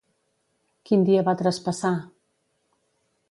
Quin dia va traspassar?